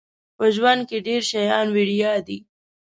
په ژوند کې ډیر شیان وړيا دي